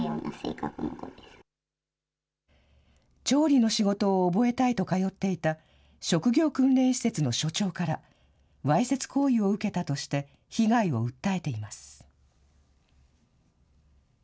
調理の仕事を覚えたいと通っていた、職業訓練施設の所長からわいせつ行為を受けたとして、被害を訴えています。